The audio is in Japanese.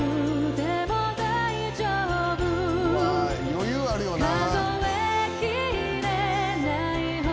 余裕あるよなぁ。